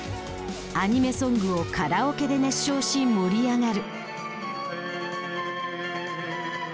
アニメソングをカラオケで熱唱し盛り上がる。